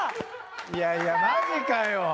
いやいやマジかよ。